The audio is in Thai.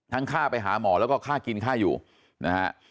ค่าไปหาหมอแล้วก็ค่ากินค่าอยู่นะฮะ